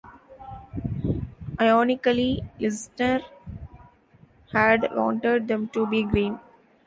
Ironically, Lister had wanted them to be green.